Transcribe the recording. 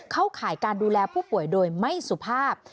ข่ายการดูแลผู้ป่วยโดยไม่สุภาพ